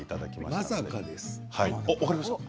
まさかです。